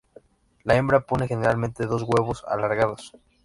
La hembra pone generalmente dos huevos alargados.